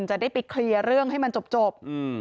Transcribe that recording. จะได้ไปเคลียร์เรื่องให้มันจบ